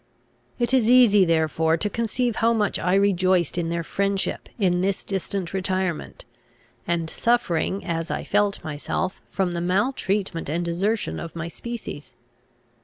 It is easy therefore to conceive how much I rejoiced in their friendship, in this distant retirement, and suffering, as I felt myself, from the maltreatment and desertion of my species.